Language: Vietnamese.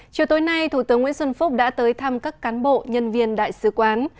chiều tối nay thủ tướng nguyễn xuân phúc đã tới thăm các cán bộ nhân viên đại sứ quán